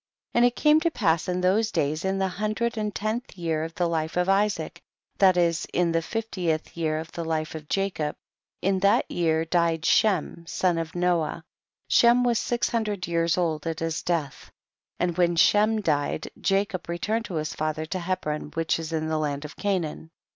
24. And it came to pass in those days, in the hundred and tenth year of the life of Isaac, that is in the fif tieth year of the life of Jacob, in that year died Shem the son of Noah ; Shem was six hundred years old at his death. 25. And when Shem died Jacob returned to his father to Hebron which is in the land of Canaan.